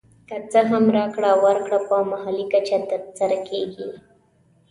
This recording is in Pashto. که څه هم راکړه ورکړه په محلي کچه تر سره کېږي